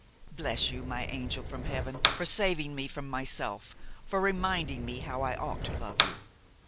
Bless you, my angel from heaven, for saving me from myself, for reminding me how I ought to love you.